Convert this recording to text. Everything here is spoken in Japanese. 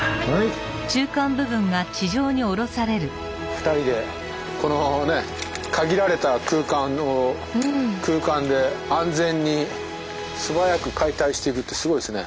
２人でこの限られた空間で安全に素早く解体していくってすごいですね。